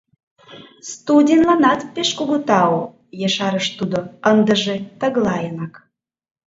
Студеньланат пеш кугу тау, — ешарыш тудо ындыже тыглайынак.